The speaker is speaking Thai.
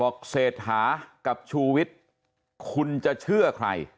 บอกเสร็จหากับฌูวิทย์คุณจะเชื่อใคร